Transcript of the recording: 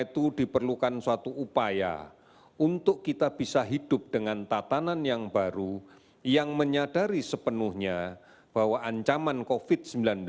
itu diperlukan suatu upaya untuk kita bisa hidup dengan tatanan yang baru yang menyadari sepenuhnya bahwa ancaman covid sembilan belas